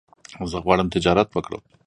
زه غواړم تجارت وکړم